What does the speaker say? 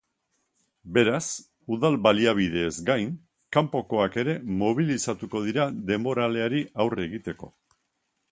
Beraz, udal baliabideez gain, kanpokoak ere mobilizatuko dira denboraleari aurre egiteko.